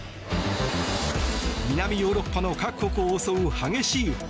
南ヨーロッパの各国を襲う激しい炎。